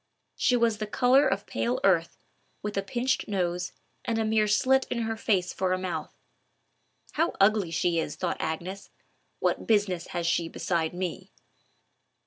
She was the color of pale earth, with a pinched nose, and a mere slit in her face for a mouth. "How ugly she is!" thought Agnes. "What business has she beside me!"